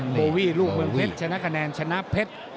โบวี่ลูกเมืองเพชรชนะคะแนนชนะเพชร